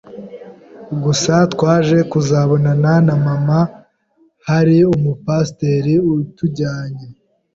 Gusa twaje kuzabonana na mama hari umupasteur utujyanye,